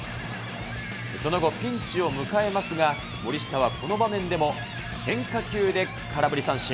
その後、ピンチを迎えますが、森下はこの場面でも変化球で空振り三振。